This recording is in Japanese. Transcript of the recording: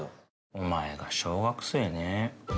お前が小学生ね。